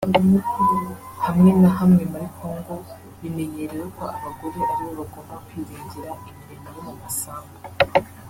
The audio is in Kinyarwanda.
Hamwe na hamwe muri Congo bimenyerewe ko abagore ari bo bagomba kwirengera imirimo yo mu masambu